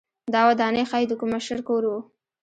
دا ودانۍ ښايي د کوم مشر کور و